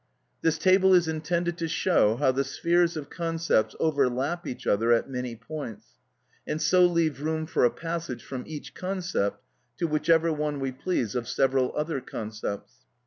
This table is intended to show how the spheres of concepts overlap each other at many points, and so leave room for a passage from each concept to whichever one we please of several other concepts.